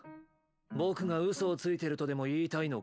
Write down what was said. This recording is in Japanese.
ぼくがうそをついてるとでも言いたいのか？